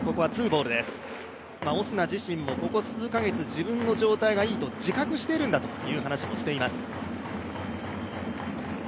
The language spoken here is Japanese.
オスナ自身もここ数か月自分の状態がいいと自覚しているんだという話もしています。